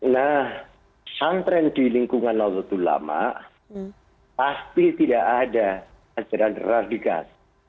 nah pesantren di lingkungan lautulama pasti tidak ada ajaran radikal